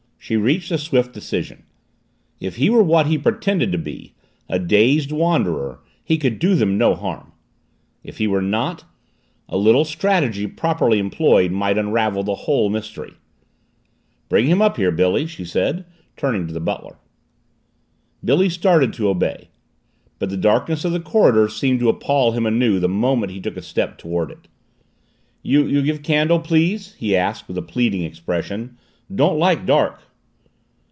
She reached a swift decision. If he were what he pretended to be a dazed wanderer, he could do them no harm. If he were not a little strategy properly employed might unravel the whole mystery. "Bring him up here, Billy," she said, turning to the butler. Billy started to obey. But the darkness of the corridor seemed to appall him anew the moment he took a step toward it. "You give candle, please?" he asked with a pleading expression. "Don't like dark."